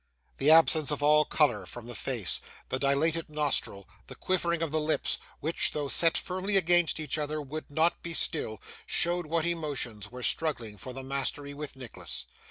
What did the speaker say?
The absence of all colour from the face; the dilated nostril; the quivering of the lips which, though set firmly against each other, would not be still; showed what emotions were struggling for the mastery with Nicholas.